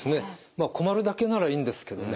まあ困るだけならいいんですけどね